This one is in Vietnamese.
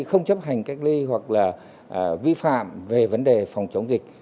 không chấp hành cách ly hoặc là vi phạm về vấn đề phòng chống dịch